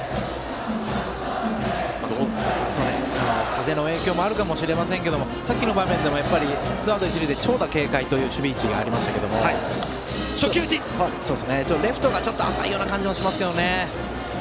風の影響もあるかもしれませんがさっきの場面でもツーアウト、一塁で長打警戒という守備位置でしたがレフトがちょっと浅い感じがしますね。